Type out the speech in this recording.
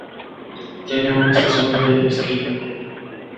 Tiene una estación de esquí.